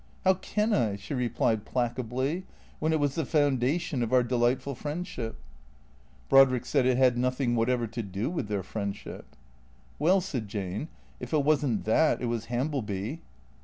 "How can I?" she replied placably, "when it was the foun dation of our delightful friendship ?" Brodrick said it had nothing whatever to do with their friend ship. " Well," said Jane, " if it was n't that it was Hambleby."